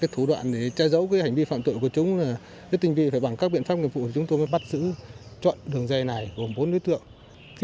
thủ đoạn trai dấu hành vi phạm tội của chúng tình vi phải bằng các biện pháp nghiệp vụ chúng tôi mới bắt giữ chọn đường dây này gồm bốn đối tượng